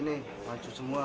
ini lanjut semua